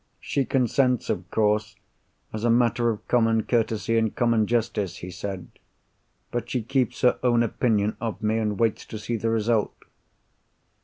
"She consents, of course, as a matter of common courtesy and common justice," he said. "But she keeps her own opinion of me, and waits to see the result."